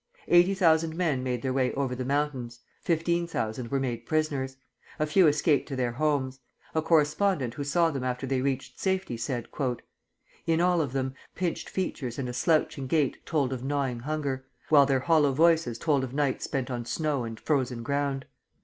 Eighty thousand men made their way over the mountains; fifteen thousand were made prisoners. A few escaped to their homes. A correspondent who saw them after they reached safety, said, "In all of them, pinched features and a slouching gait told of gnawing hunger, while their hollow voices told of nights spent on snow and frozen ground.